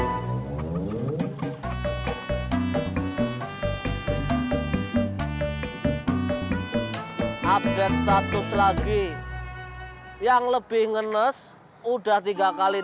hai hai update status lagi yang lebih ngenes udah tiga kali